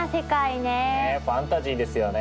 ねえファンタジーですよね。